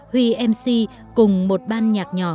huy mc cùng một ban nhạc nhỏ